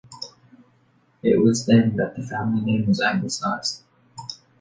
It was then that the family name was anglicised.